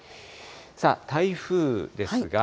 さあ、台風ですが。